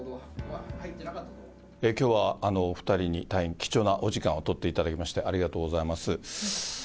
きょうはお２人に大変貴重なお時間を取っていただきまして、ありがとうございます。